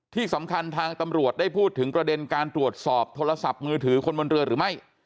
ที่สำคัญทางตำรวจได้พูดถึงประเด็นการตรวจสอบโทรศัพท์มือถือคนบนเรือหรือไม่